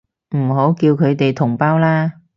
唔好叫佢哋同胞啦